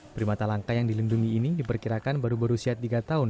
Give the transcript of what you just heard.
primata langka yang dilindungi ini diperkirakan baru baru siat tiga tahun